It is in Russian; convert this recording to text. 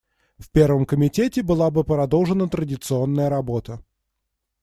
В Первом комитете была бы продолжена традиционная работа.